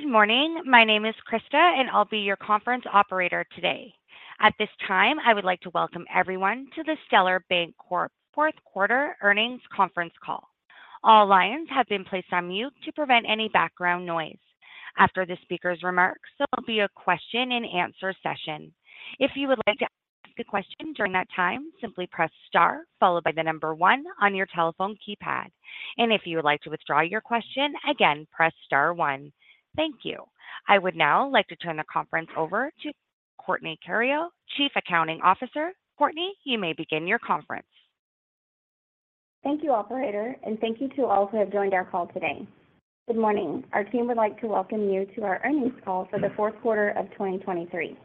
Good morning. My name is Krista, and I'll be your conference operator today. At this time, I would like to welcome everyone to the Stellar Bancorp fourth quarter earnings conference call. All lines have been placed on mute to prevent any background noise. After the speaker's remarks, there will be a question and answer session. If you would like to ask a question during that time, simply press star followed by the number one on your telephone keypad. If you would like to withdraw your question, again, press star one. Thank you. I would now like to turn the conference over to Courtney Theriot, Chief Accounting Officer. Courtney, you may begin your conference. Thank you, operator, and thank you to all who have joined our call today. Good morning! Our team would like to welcome you to our earnings call for the fourth quarter of 2023.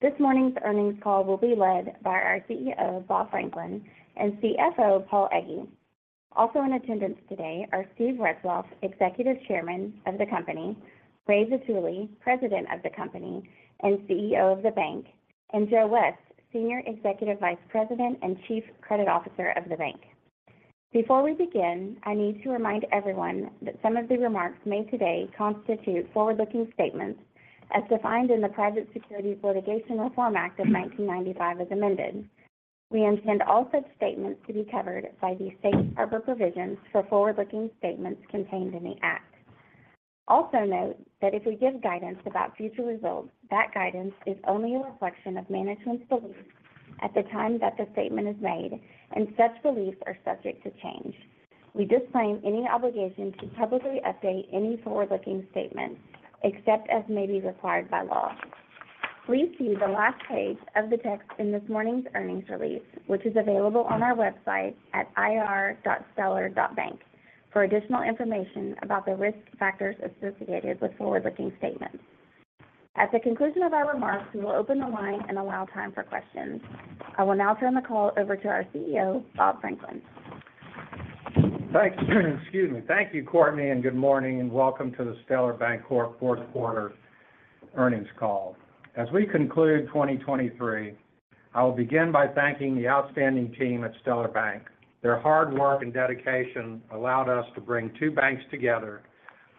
This morning's earnings call will be led by our CEO, Bob Franklin, and CFO, Paul Egge. Also in attendance today are Steve Retzloff, Executive Chairman of the company, Ray Vitulli, President of the company and CEO of the bank, and Joe West, Senior Executive Vice President and Chief Credit Officer of the bank. Before we begin, I need to remind everyone that some of the remarks made today constitute forward-looking statements as defined in the Private Securities Litigation Reform Act of 1995, as amended. We intend all such statements to be covered by the safe harbor provisions for forward-looking statements contained in the act. Also note that if we give guidance about future results, that guidance is only a reflection of management's beliefs at the time that the statement is made, and such beliefs are subject to change. We disclaim any obligation to publicly update any forward-looking statements, except as may be required by law. Please see the last page of the text in this morning's earnings release, which is available on our website at ir.stellar.bank, for additional information about the risk factors associated with forward-looking statements. At the conclusion of our remarks, we will open the line and allow time for questions. I will now turn the call over to our CEO, Bob Franklin. Thank you. Excuse me. Thank you, Courtney, and good morning and welcome to the Stellar Bancorp fourth quarter earnings call. As we conclude 2023, I will begin by thanking the outstanding team at Stellar Bank. Their hard work and dedication allowed us to bring two banks together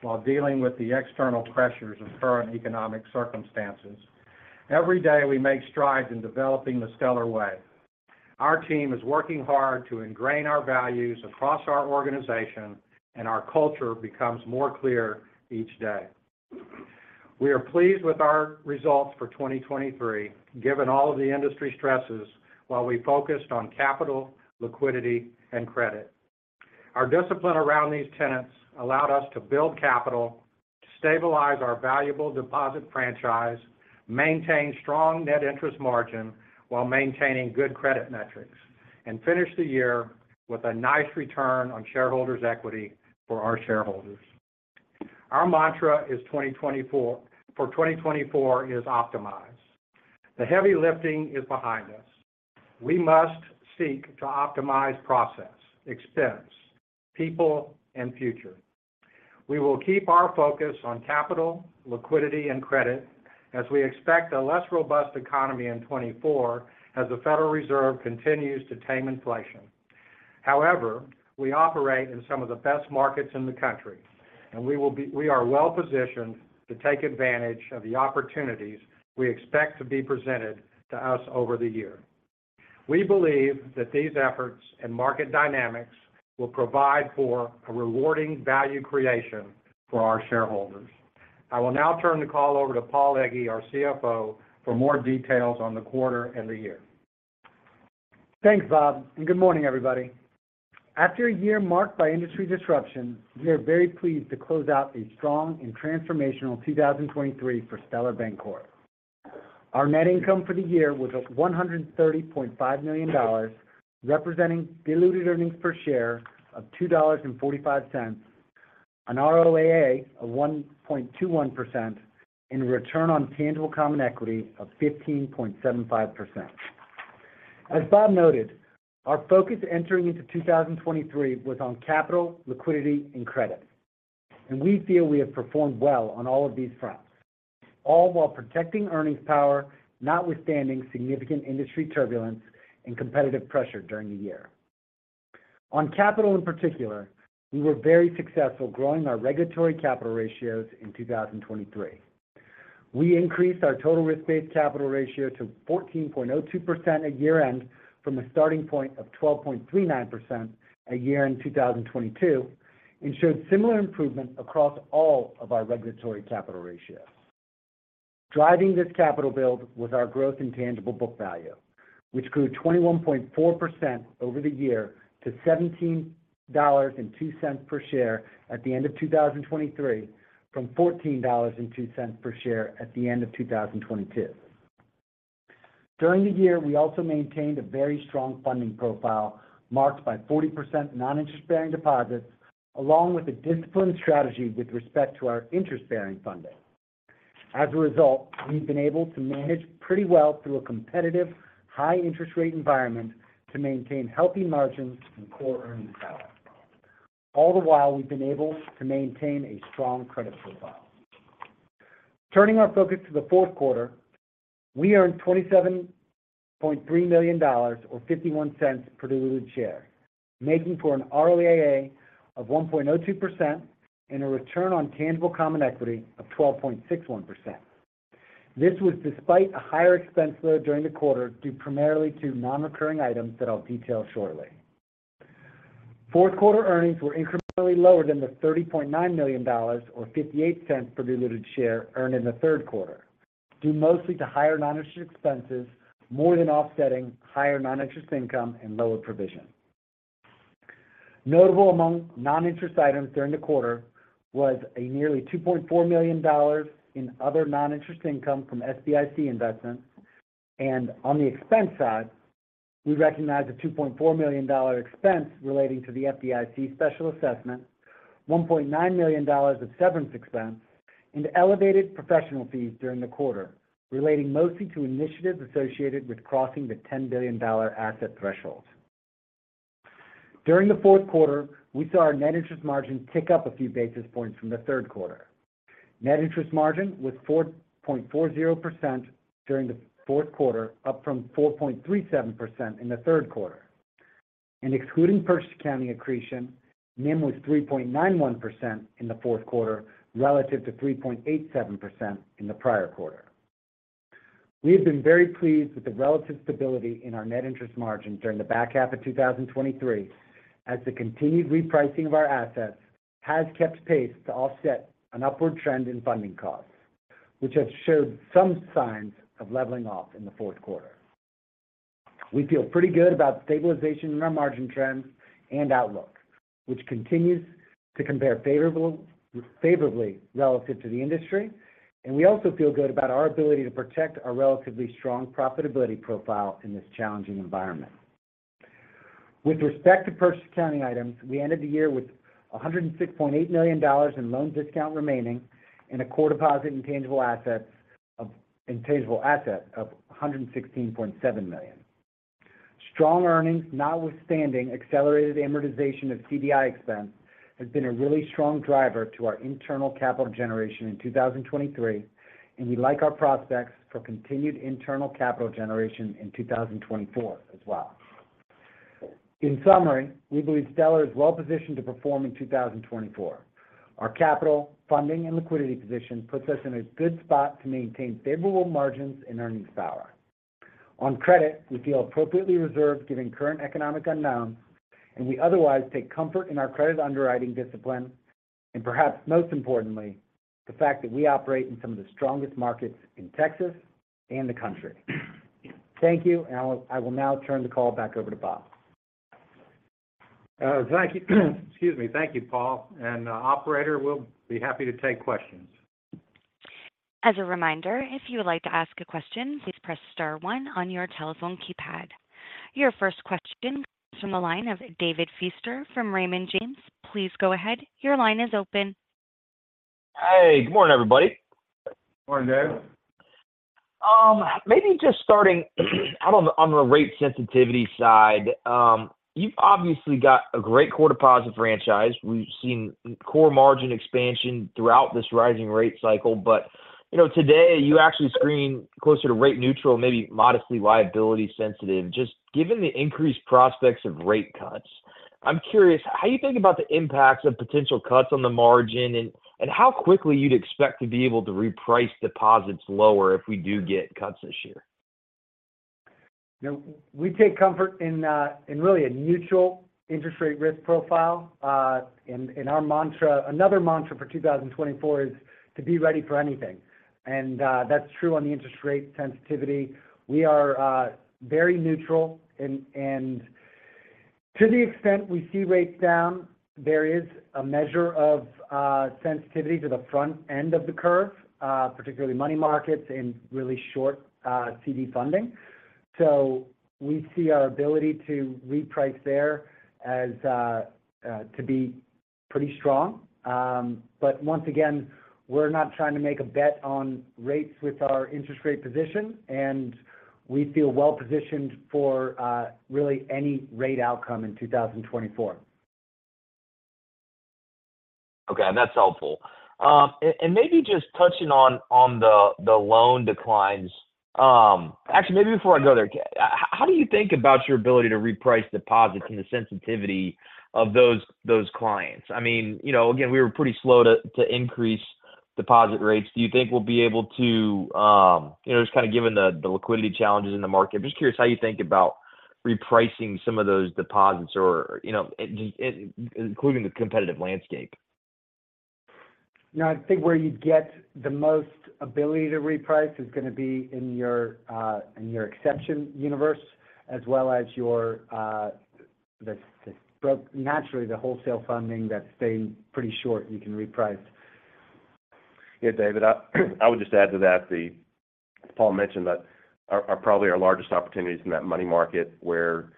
while dealing with the external pressures of current economic circumstances. Every day, we make strides in developing the Stellar Way. Our team is working hard to ingrain our values across our organization, and our culture becomes more clear each day. We are pleased with our results for 2023, given all of the industry stresses while we focused on capital, liquidity, and credit. Our discipline around these tenets allowed us to build capital, stabilize our valuable deposit franchise, maintain strong net interest margin while maintaining good credit metrics, and finish the year with a nice return on shareholders' equity for our shareholders. Our mantra for 2024 is optimize. The heavy lifting is behind us. We must seek to optimize process, expense, people, and future. We will keep our focus on capital, liquidity, and credit as we expect a less robust economy in 2024 as the Federal Reserve continues to tame inflation. However, we operate in some of the best markets in the country, and we are well positioned to take advantage of the opportunities we expect to be presented to us over the year. We believe that these efforts and market dynamics will provide for a rewarding value creation for our shareholders. I will now turn the call over to Paul Egge, our CFO, for more details on the quarter and the year. Thanks, Bob, and good morning, everybody. After a year marked by industry disruption, we are very pleased to close out a strong and transformational 2023 for Stellar Bancorp. Our net income for the year was $130.5 million, representing diluted earnings per share of $2.45, an ROAA of 1.21% and a return on tangible common equity of 15.75%. As Bob noted, our focus entering into 2023 was on capital, liquidity, and credit, and we feel we have performed well on all of these fronts, all while protecting earnings power, notwithstanding significant industry turbulence and competitive pressure during the year. On capital, in particular, we were very successful growing our regulatory capital ratios in 2023. We increased our total risk-based capital ratio to 14.02% at year-end, from a starting point of 12.39% at year-end 2022, and showed similar improvement across all of our regulatory capital ratios. Driving this capital build was our growth in tangible book value, which grew 21.4% over the year to $17.02 per share at the end of 2023, from $14.02 per share at the end of 2022. During the year, we also maintained a very strong funding profile, marked by 40% non-interest-bearing deposits, along with a disciplined strategy with respect to our interest-bearing funding. As a result, we've been able to manage pretty well through a competitive, high interest rate environment to maintain healthy margins and core earnings power. All the while, we've been able to maintain a strong credit profile.... Turning our focus to the fourth quarter, we earned $27.3 million or $0.51 per diluted share, making for an ROAA of 1.02% and a return on tangible common equity of 12.61%. This was despite a higher expense load during the quarter, due primarily to non-recurring items that I'll detail shortly. Fourth quarter earnings were incrementally lower than the $30.9 million or $0.58 per diluted share earned in the third quarter, due mostly to higher non-interest expenses, more than offsetting higher non-interest income and lower provision. Notable among non-interest items during the quarter was a nearly $2.4 million in other non-interest income from SBIC investments. On the expense side, we recognized a $2.4 million expense relating to the FDIC special assessment, $1.9 million of severance expense, and elevated professional fees during the quarter, relating mostly to initiatives associated with crossing the $10 billion asset threshold. During the fourth quarter, we saw our net interest margin tick up a few basis points from the third quarter. Net interest margin was 4.40% during the fourth quarter, up from 4.37% in the third quarter. Excluding purchase accounting accretion, NIM was 3.91% in the fourth quarter, relative to 3.87% in the prior quarter. We have been very pleased with the relative stability in our net interest margin during the back half of 2023, as the continued repricing of our assets has kept pace to offset an upward trend in funding costs, which have showed some signs of leveling off in the fourth quarter. We feel pretty good about the stabilization in our margin trends and outlook, which continues to compare favorably relative to the industry, and we also feel good about our ability to protect our relatively strong profitability profile in this challenging environment. With respect to purchase accounting items, we ended the year with $106.8 million in loan discount remaining, and a core deposit intangible assets of $116.7 million. Strong earnings, notwithstanding accelerated amortization of CDI expense, has been a really strong driver to our internal capital generation in 2023, and we like our prospects for continued internal capital generation in 2024 as well. In summary, we believe Stellar is well positioned to perform in 2024. Our capital, funding, and liquidity position puts us in a good spot to maintain favorable margins and earnings power. On credit, we feel appropriately reserved, given current economic unknowns, and we otherwise take comfort in our credit underwriting discipline, and perhaps most importantly, the fact that we operate in some of the strongest markets in Texas and the country. Thank you, and I will now turn the call back over to Bob. Thank you. Excuse me. Thank you, Paul. And, operator, we'll be happy to take questions. As a reminder, if you would like to ask a question, please press star one on your telephone keypad. Your first question comes from the line of David Feaster from Raymond James. Please go ahead. Your line is open. Hey, good morning, everybody. Good morning, David. Maybe just starting out on the, on the rate sensitivity side. You've obviously got a great core deposit franchise. We've seen core margin expansion throughout this rising rate cycle, but, you know, today, you actually screen closer to rate neutral, maybe modestly liability sensitive. Just given the increased prospects of rate cuts, I'm curious, how you think about the impacts of potential cuts on the margin and, and how quickly you'd expect to be able to reprice deposits lower if we do get cuts this year? You know, we take comfort in really a neutral interest rate risk profile. In our mantra, another mantra for 2024 is to be ready for anything, and that's true on the interest rate sensitivity. We are very neutral, and to the extent we see rates down, there is a measure of sensitivity to the front end of the curve, particularly money markets and really short CD funding. So we see our ability to reprice there as to be pretty strong. But once again, we're not trying to make a bet on rates with our interest rate position, and we feel well positioned for really any rate outcome in 2024. Okay, and that's helpful. And maybe just touching on the loan declines. Actually, maybe before I go there, how do you think about your ability to reprice deposits and the sensitivity of those clients? I mean, you know, again, we were pretty slow to increase deposit rates. Do you think we'll be able to, you know, just kind of given the liquidity challenges in the market? I'm just curious how you think about repricing some of those deposits or, you know, including the competitive landscape? You know, I think where you'd get the most ability to reprice is going to be in your exception universe as well as your the naturally the wholesale funding that's staying pretty short. You can reprice. Yeah, David, I would just add to that. Paul mentioned that our, our probably our largest opportunity is in that money market where,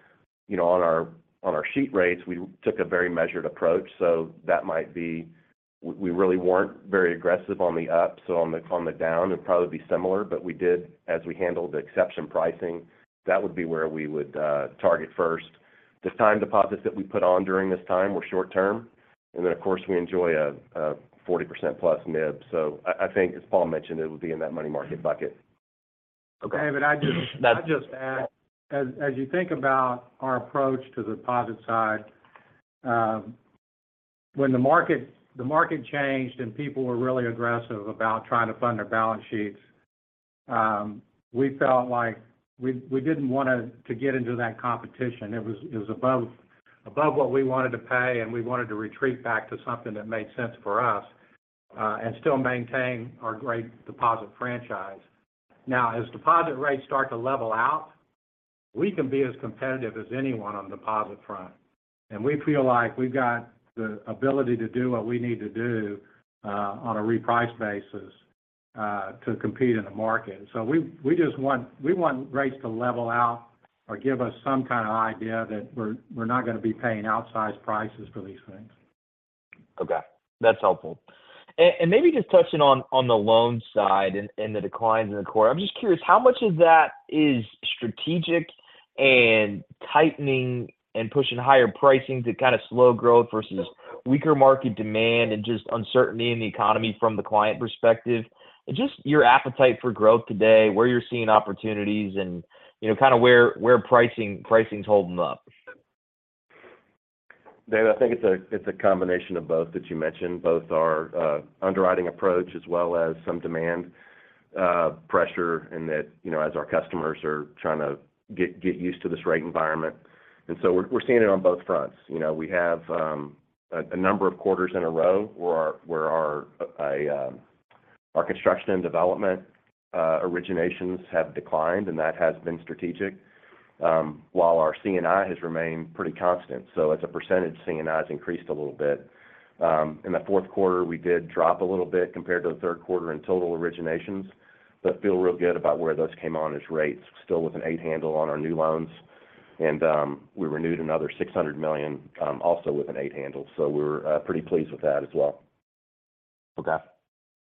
you know, on our, on our sheet rates, we took a very measured approach, so that might be. We really weren't very aggressive on the up, so on the, on the down, it'd probably be similar, but we did as we handled the exception pricing, that would be where we would target first. The time deposits that we put on during this time were short-term, and then, of course, we enjoy a 40%+ NIB. So I think as Paul mentioned, it would be in that money market bucket. Okay, but I just- That- I'd just add, as you think about our approach to the deposit side, when the market changed and people were really aggressive about trying to fund their balance sheets, we felt like we didn't want to get into that competition. It was above what we wanted to pay, and we wanted to retreat back to something that made sense for us, and still maintain our great deposit franchise. Now, as deposit rates start to level out, we can be as competitive as anyone on the deposit front. We feel like we've got the ability to do what we need to do on a reprice basis to compete in the market. So we just want rates to level out or give us some kind of idea that we're not gonna be paying outsized prices for these things. Okay. That's helpful. And maybe just touching on the loan side and the declines in the quarter. I'm just curious, how much of that is strategic and tightening and pushing higher pricing to kind of slow growth versus weaker market demand and just uncertainty in the economy from the client perspective? And just your appetite for growth today, where you're seeing opportunities and, you know, kind of where pricing is holding up. Dave, I think it's a combination of both that you mentioned. Both our underwriting approach as well as some demand pressure, and that, you know, as our customers are trying to get used to this rate environment. And so we're seeing it on both fronts. You know, we have a number of quarters in a row where our construction and development originations have declined, and that has been strategic, while our C&I has remained pretty constant. So as a percentage, C&I has increased a little bit. In the fourth quarter, we did drop a little bit compared to the third quarter in total originations, but feel real good about where those came on as rates. Still with an eight handle on our new loans, and we renewed another $600 million, also with an eight handle. So we're pretty pleased with that as well. Okay.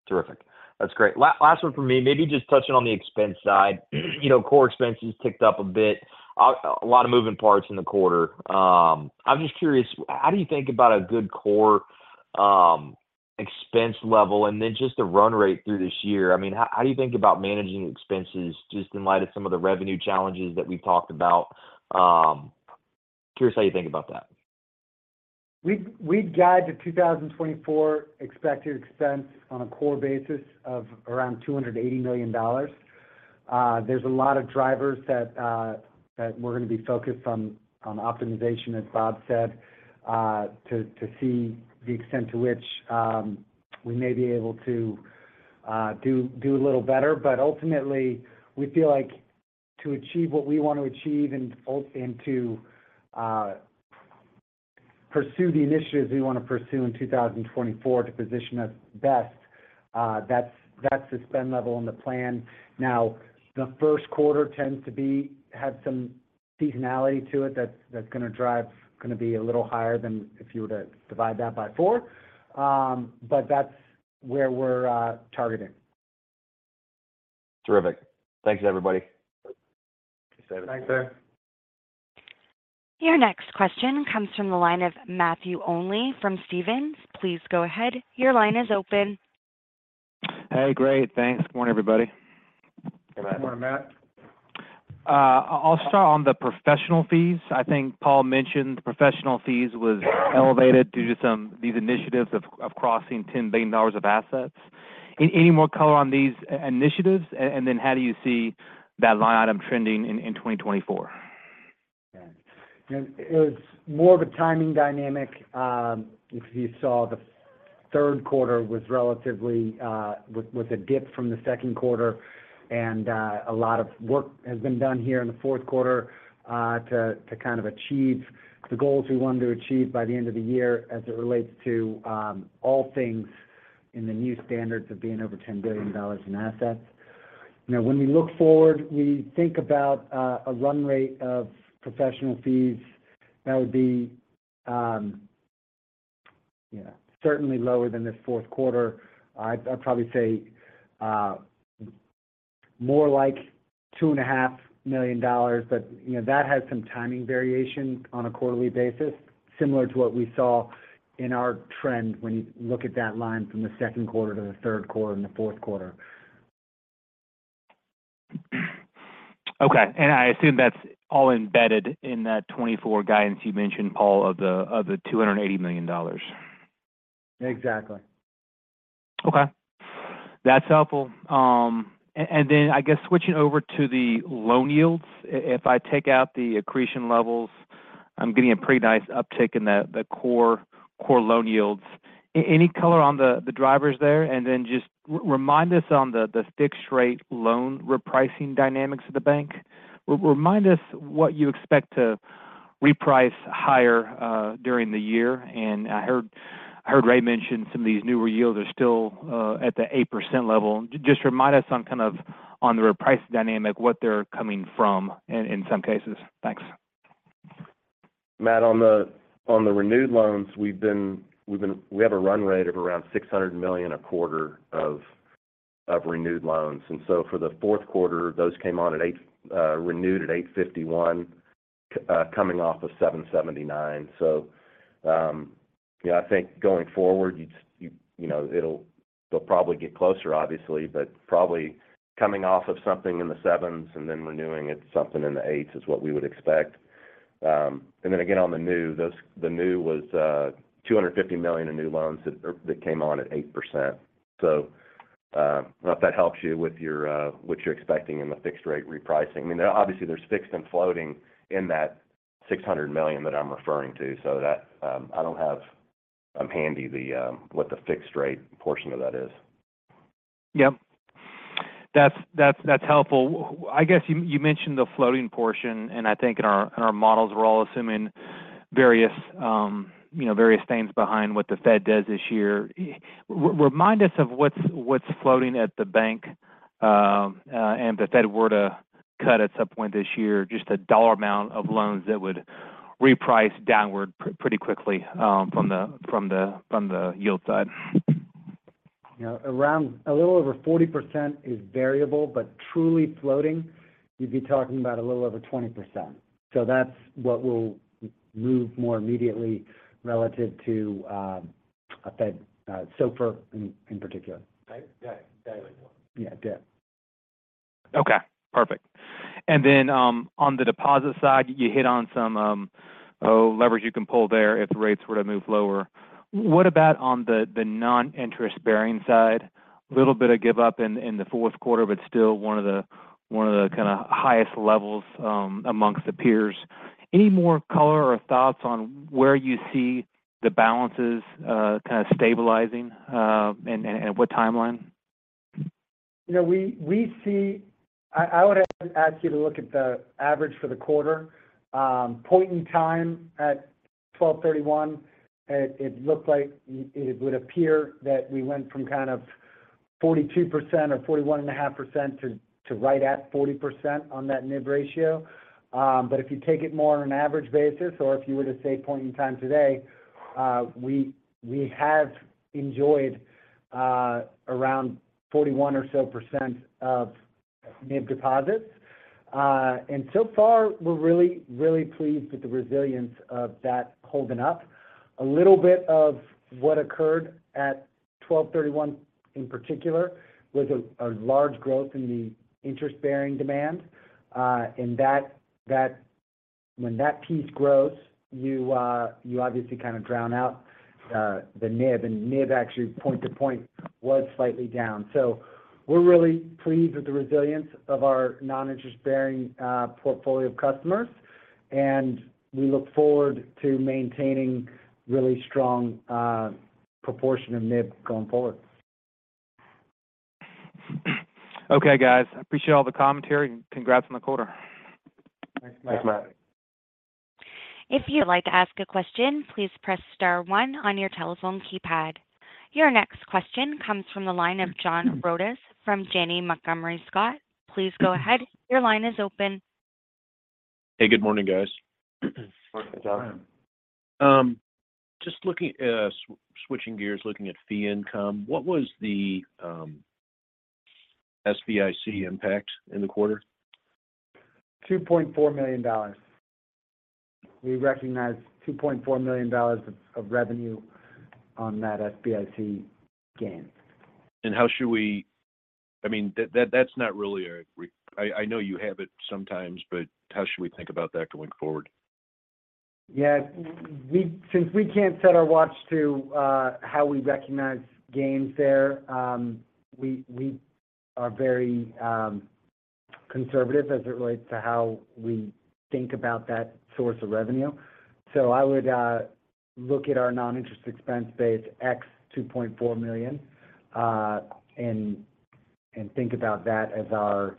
Terrific. That's great. Last one for me. Maybe just touching on the expense side. You know, core expenses ticked up a bit. A lot of moving parts in the quarter. I'm just curious, how do you think about a good core expense level and then just the run rate through this year? I mean, how do you think about managing expenses just in light of some of the revenue challenges that we've talked about? Curious how you think about that. We guide the 2024 expected expense on a core basis of around $280 million. There's a lot of drivers that that we're going to be focused on optimization, as Bob said, to see the extent to which we may be able to do a little better. But ultimately, we feel like to achieve what we want to achieve and to pursue the initiatives we want to pursue in 2024 to position us best, that's the spend level and the plan. Now, the first quarter tends to have some seasonality to it. That's gonna be a little higher than if you were to divide that by four. But that's where we're targeting. Terrific. Thanks, everybody. Thanks, Dave. Thanks, Dave. Your next question comes from the line of Matthew Olney from Stephens. Please go ahead. Your line is open. Hey, great. Thanks. Good morning, everybody. Good morning. Good morning, Matt. I'll start on the professional fees. I think Paul mentioned professional fees was elevated due to these initiatives of crossing $10 billion of assets. Any more color on these initiatives, and then how do you see that line item trending in 2024? Yeah. It's more of a timing dynamic. If you saw the third quarter was relatively a dip from the second quarter, and a lot of work has been done here in the fourth quarter to kind of achieve the goals we wanted to achieve by the end of the year as it relates to all things in the new standards of being over $10 billion in assets. Now, when we look forward, we think about a run rate of professional fees that would be, yeah, certainly lower than this fourth quarter. I'd probably say more like $2.5 million, but, you know, that has some timing variation on a quarterly basis, similar to what we saw in our trend when you look at that line from the second quarter to the third quarter and the fourth quarter. Okay. And I assume that's all embedded in that 2024 guidance you mentioned, Paul, of the $280 million? Exactly. Okay. That's helpful. And then I guess switching over to the loan yields, if I take out the accretion levels, I'm getting a pretty nice uptick in the core loan yields. Any color on the drivers there? And then just remind us on the fixed rate loan repricing dynamics of the bank. Remind us what you expect to reprice higher during the year. And I heard Ray mention some of these newer yields are still at the 8% level. Just remind us on kind of the repricing dynamic, what they're coming from in some cases. Thanks. Matt, on the renewed loans, we have a run rate of around $600 million a quarter of renewed loans. And so for the fourth quarter, those came on at eight, renewed at 8.51, coming off of 7.79. So, yeah, I think going forward, you know, they'll probably get closer, obviously, but probably coming off of something in the sevens and then renewing it something in the eights is what we would expect. And then again, on the new, the new was $250 million in new loans that came on at 8%. So, if that helps you with your what you're expecting in the fixed-rate repricing. I mean, obviously, there's fixed and floating in that $600 million that I'm referring to, so that, I don't have on handy the, what the fixed-rate portion of that is. Yep. That's helpful. I guess you mentioned the floating portion, and I think in our models, we're all assuming various, you know, various things behind what the Fed does this year. Remind us of what's floating at the bank, and if the Fed were to cut at some point this year, just a dollar amount of loans that would reprice downward pretty quickly, from the yield side. You know, around a little over 40% is variable, but truly floating, you'd be talking about a little over 20%. So that's what will move more immediately relative to a Fed SOFR in particular. Right. Yeah, daily. Yeah, daily. Okay, perfect. And then on the deposit side, you hit on some leverage you can pull there if the rates were to move lower. What about on the non-interest-bearing side? A little bit of give up in the fourth quarter, but still one of the kind of highest levels amongst the peers. Any more color or thoughts on where you see the balances kind of stabilizing and what timeline? You know, we see. I would ask you to look at the average for the quarter. Point in time at 12/31, it looked like it would appear that we went from kind of 42% or 41.5% to right at 40% on that NIB ratio. But if you take it more on an average basis or if you were to say point in time today, we have enjoyed around 41% or so of NIB deposits. And so far, we're really, really pleased with the resilience of that holding up. A little bit of what occurred at 12/31, in particular, was a large growth in the interest-bearing demand. And that, when that piece grows, you obviously kind of drown out the NIB, and NIB actually point to point was slightly down. So we're really pleased with the resilience of our non-interest-bearing portfolio of customers, and we look forward to maintaining really strong proportion of NIB going forward. Okay, guys, I appreciate all the commentary, and congrats on the quarter. Thanks, Matt. Thanks, Matt. If you'd like to ask a question, please press star one on your telephone keypad. Your next question comes from the line of John Rodis from Janney Montgomery Scott. Please go ahead. Your line is open. Hey, good morning, guys. Good morning, John. Morning. Just looking, switching gears, looking at fee income, what was the SBIC impact in the quarter? $2.4 million. We recognized $2.4 million of revenue on that SBIC gain. How should we? I mean, that's not really. I know you have it sometimes, but how should we think about that going forward? Yeah, since we can't set our watch to how we recognize gains there, we are very conservative as it relates to how we think about that source of revenue. So I would look at our non-interest expense base ex $2.4 million, and think about that as our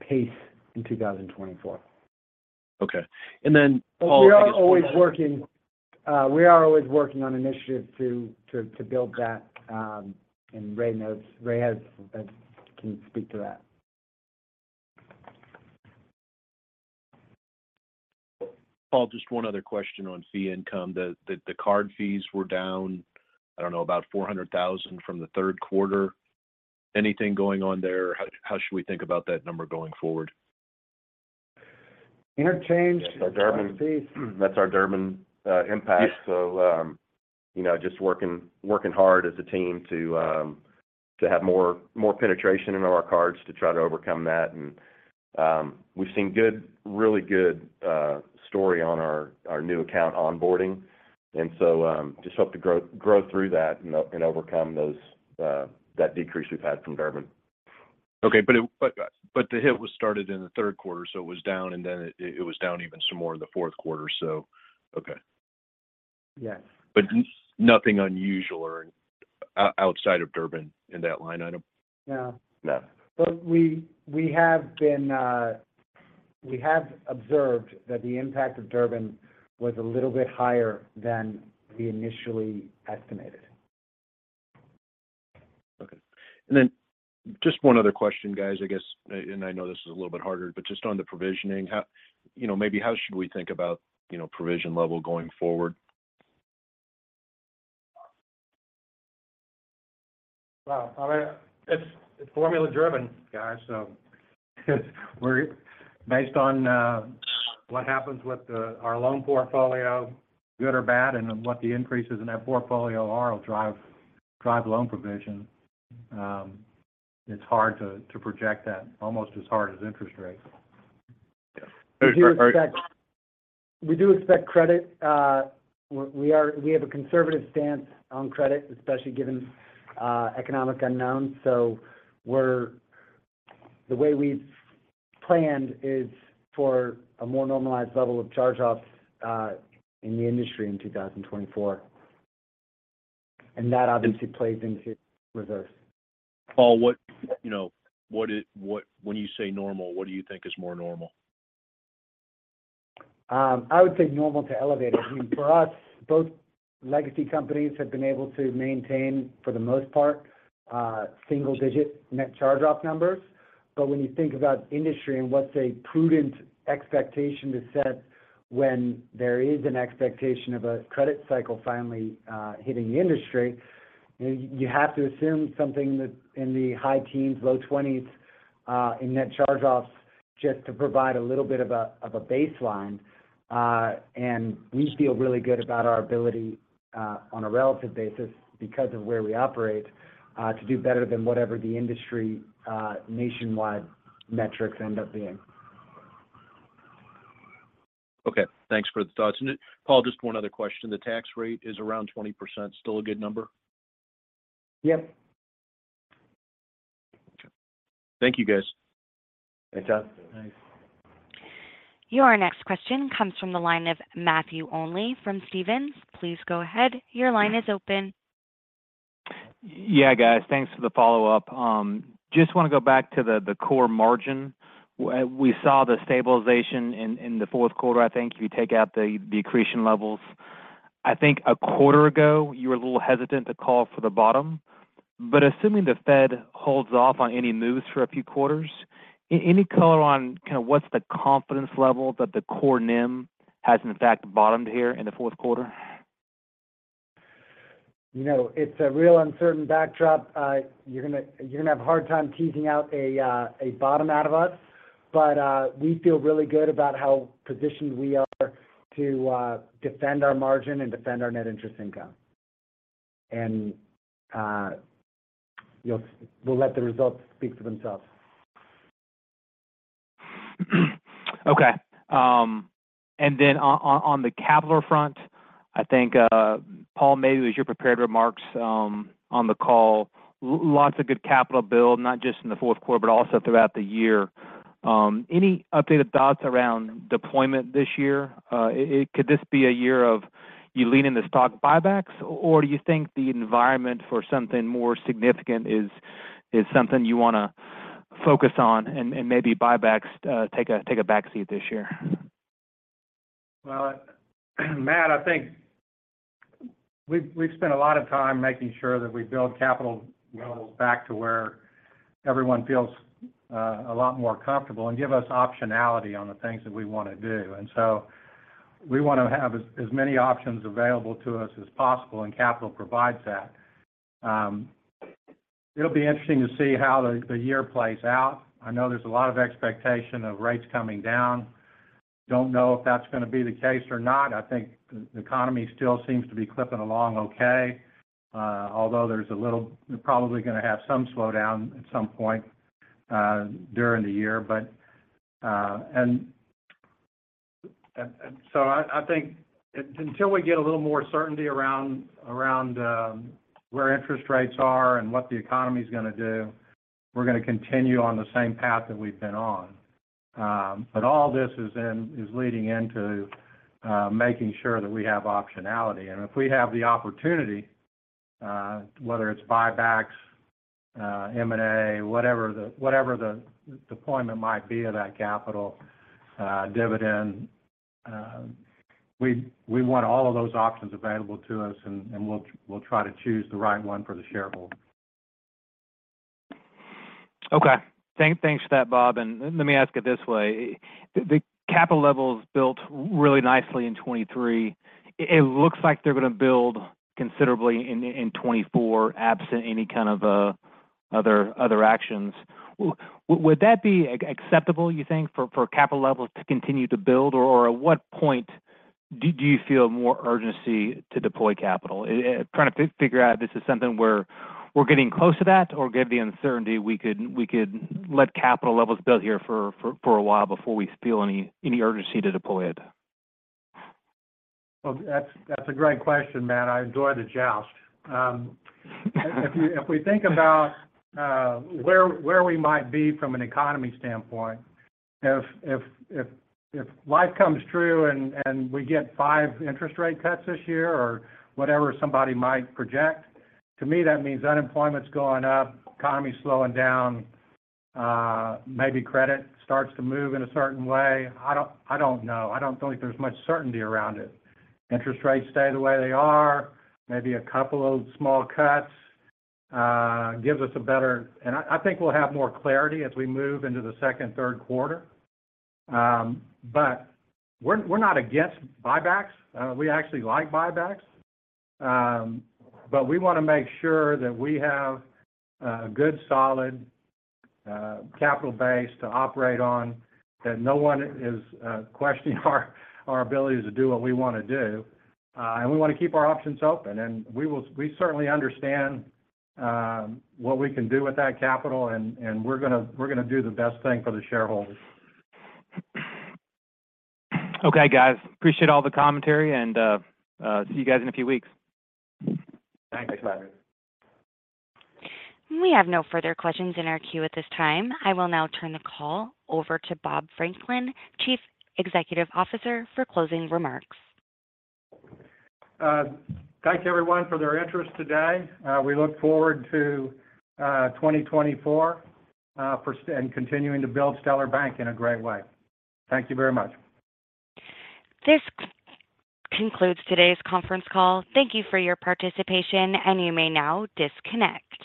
pace in 2024. Okay. And then, just one other- We are always working on initiatives to build that, and Ray knows. Ray can speak to that. Paul, just one other question on fee income. The card fees were down, I don't know, about $400,000 from the third quarter. Anything going on there? How should we think about that number going forward? Interchange- Yeah, that's our Durbin- Fees. That's our Durbin impact. Yeah. So, you know, just working, working hard as a team to have more, more penetration into our cards to try to overcome that. And, we've seen good, really good story on our, our new account onboarding, and so, just hope to grow, grow through that and, and overcome those, that decrease we've had from Durbin. Okay, but the hit was started in the third quarter, so it was down, and then it was down even some more in the fourth quarter. So, okay. Yes. But nothing unusual or outside of Durbin in that line item? No. No. But we have observed that the impact of Durbin was a little bit higher than we initially estimated. Okay. Just one other question, guys. I guess, and I know this is a little bit harder, but just on the provisioning, how, you know, maybe how should we think about, you know, provision level going forward? Well, all right, it's formula-driven, guys. So we're based on what happens with our loan portfolio, good or bad, and what the increases in that portfolio are will drive loan provision. It's hard to project that, almost as hard as interest rates. Yes. We do expect credit. We have a conservative stance on credit, especially given economic unknowns. So the way we've planned is for a more normalized level of charge-offs in the industry in 2024, and that obviously plays into reserves. Paul, you know, what is what when you say normal, what do you think is more normal? I would say normal to elevated. I mean, for us, both legacy companies have been able to maintain, for the most part, single-digit net charge-off numbers. But when you think about industry and what's a prudent expectation to set when there is an expectation of a credit cycle finally hitting the industry, you know, you have to assume something that in the high teens, low twenties in net charge-offs, just to provide a little bit of a baseline. And we feel really good about our ability, on a relative basis, because of where we operate, to do better than whatever the industry nationwide metrics end up being. Okay. Thanks for the thoughts. Paul, just one other question. The tax rate is around 20%. Still a good number? Yep. Thank you, guys. Great job. Thanks. Your next question comes from the line of Matthew Olney from Stephens. Please go ahead. Your line is open. Yeah, guys. Thanks for the follow-up. Just want to go back to the core margin. We saw the stabilization in the fourth quarter, I think, if you take out the accretion levels. I think a quarter ago, you were a little hesitant to call for the bottom, but assuming the Fed holds off on any moves for a few quarters, any color on kind of what's the confidence level that the core NIM has in fact bottomed here in the fourth quarter? You know, it's a real uncertain backdrop. You're going to have a hard time teasing out a bottom out of us, but we feel really good about how positioned we are to defend our margin and defend our net interest income. And you know, we'll let the results speak for themselves. Okay. And then on the capital front, I think, Paul, maybe with your prepared remarks on the call, lots of good capital build, not just in the fourth quarter, but also throughout the year. Any updated thoughts around deployment this year? Could this be a year of you leaning the stock buybacks, or do you think the environment for something more significant is something you want to focus on and maybe buybacks take a backseat this year? Well, Matt, I think we've spent a lot of time making sure that we build capital levels back to where everyone feels a lot more comfortable and give us optionality on the things that we want to do. And so we want to have as many options available to us as possible, and capital provides that. It'll be interesting to see how the year plays out. I know there's a lot of expectation of rates coming down. Don't know if that's going to be the case or not. I think the economy still seems to be clipping along okay, although there's a little, probably going to have some slowdown at some point during the year. But, and so I think until we get a little more certainty around where interest rates are and what the economy is going to do, we're going to continue on the same path that we've been on. But all this is leading into making sure that we have optionality. And if we have the opportunity, whether it's buybacks, M&A, whatever the deployment might be of that capital, dividend, we want all of those options available to us, and we'll try to choose the right one for the shareholder. Okay. Thanks for that, Bob. And let me ask it this way: The capital levels built really nicely in 2023. It looks like they're going to build considerably in 2024, absent any kind of other actions. Would that be acceptable, you think, for capital levels to continue to build? Or at what point do you feel more urgency to deploy capital? Trying to figure out if this is something where we're getting close to that, or given the uncertainty, we could let capital levels build here for a while before we feel any urgency to deploy it. Well, that's, that's a great question, Matt. I enjoy the joust. If you—if we think about where we might be from an economy standpoint, if life comes true and we get 5 interest rate cuts this year or whatever somebody might project, to me, that means unemployment's going up, economy is slowing down, maybe credit starts to move in a certain way. I don't know. I don't think there's much certainty around it. Interest rates stay the way they are. Maybe a couple of small cuts gives us a better... I think we'll have more clarity as we move into the second and third quarter. But we're not against buybacks. We actually like buybacks. But we want to make sure that we have a good, solid capital base to operate on, that no one is questioning our ability to do what we want to do. And we want to keep our options open, and we will, we certainly understand what we can do with that capital, and we're going to do the best thing for the shareholders. Okay, guys. Appreciate all the commentary, and see you guys in a few weeks. Thanks. Thanks, Matt. We have no further questions in our queue at this time. I will now turn the call over to Bob Franklin, Chief Executive Officer, for closing remarks. Thank you, everyone, for their interest today. We look forward to 2024 and continuing to build Stellar Bank in a great way. Thank you very much. This concludes today's conference call. Thank you for your participation, and you may now disconnect.